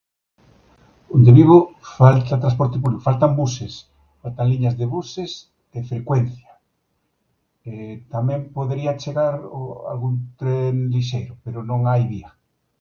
Onde vivo falta transporte, bueno, faltan buses, faltan líneas de buses e frecuencia, tamén podría chegar algún tren lixeiro, pero non hai vía.